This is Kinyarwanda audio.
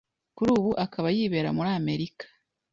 Kuri ubu akaba yibera muri Amerika